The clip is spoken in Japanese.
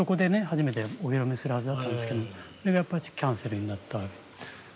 初めてお披露目するはずだったんですけどそれがやっぱりキャンセルになったわけ。